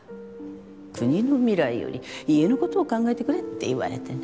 国の未来より家のことを考えてくれって言われてね。